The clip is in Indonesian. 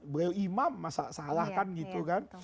beliau imam masalahkan gitu kan